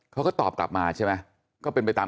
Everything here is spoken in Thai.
เขาก็ตอบกลับมาใช่ไหม